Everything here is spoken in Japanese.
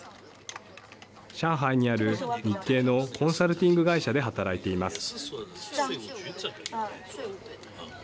上海にある日系のコンサルティング会社で働いています。